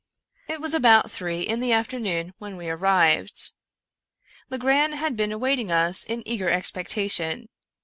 It was about three in the afternoon when we arrived. Legrand had been awaiting us in eager expectation.